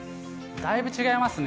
だいぶ違いますね。